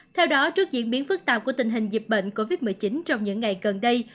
theo đó trước diễn biến phức tạp của tình hình dịch bệnh covid một mươi chín trong những ngày gần đây